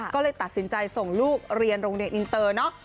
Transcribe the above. ก็เลยตัดสินใจส่งลูกเรียนโรงเรียนอินเตอร์เนอะ